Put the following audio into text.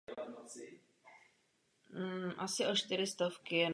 Soustředíme se tu na práci Evropské komise.